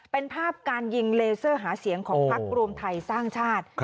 เป็นภาพการยิงเลเซอร์หาเสียงของพักรวมไทยสร้างชาติ